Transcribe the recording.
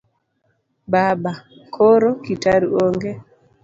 Baba:koro? Kitaru: ong'e